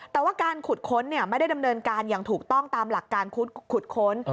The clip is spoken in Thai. แต่ว่าการขุดค้นไม่ได้ดำเนินการอย่างถูกต้องตามหลักการขุดค้น